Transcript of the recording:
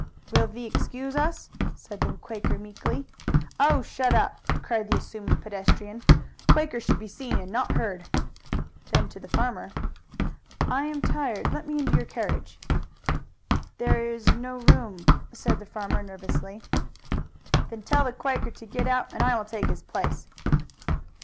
"Will thee excuse us?" said the Quaker meekly. "Oh, shut up!" cried the assumed pedestrian. "Quakers should be seen and not heard." Then to the farmer: "I am tired. Let me into your carriage." "There is no room," said the farmer nervously. "Then tell the Quaker to get out and I will take his place."